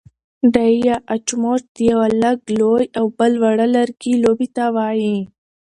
ډی يا اچموچ د يوۀ لږ لوی او بل واړۀ لرګي لوبې ته وايي.